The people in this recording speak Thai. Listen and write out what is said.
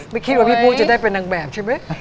ไม่คิดว่าพี่ปุ๊จะได้เป็นนางแบบใช่ไหม